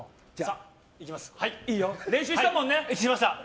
練習したもんね。